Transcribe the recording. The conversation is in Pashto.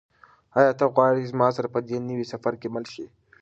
آیا ته غواړې چې زما سره په دې نوي سفر کې مل شې؟